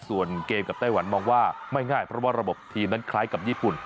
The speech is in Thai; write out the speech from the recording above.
ส่วนเกมกับไต้หวันมองว่าไม่ง่ายเพราะว่าระบบทีมนั้นคล้ายกับญี่ปุ่น